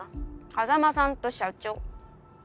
風真さんと社長。